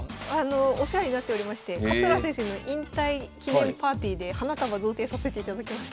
お世話になっておりまして勝浦先生の引退記念パーティーで花束贈呈させていただきました。